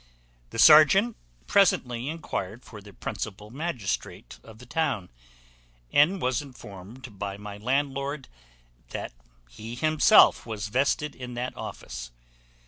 The serjeant presently enquired for the principal magistrate of the town, and was informed by my landlord, that he himself was vested in that office.